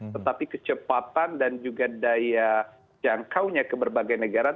tetapi kecepatan dan juga daya jangkaunya ke berbagai negara